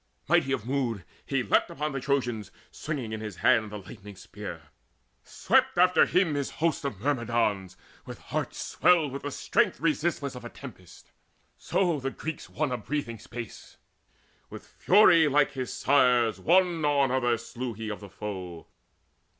Mighty of mood he leapt Upon the Trojans, swinging in his hand The lightening spear: swept after him his host Of Myrmidons with hearts swelled with the strength Resistless of a tempest; so the Greeks Won breathing space. With fury like his sire's One after other slew he of the foe.